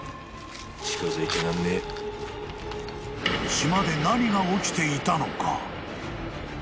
［島で何が起きていたのか］